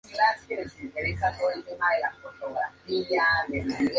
Fue enterrada en la catedral de Sigüenza, junto a su segundo esposo.